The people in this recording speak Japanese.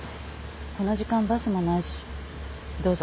この時間バスもないしどうぞ。